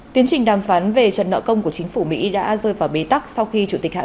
tiến trình đàm phán về trận nợ công của chính phủ mỹ đã rơi vào bế tắc sau khi chủ tịch hạ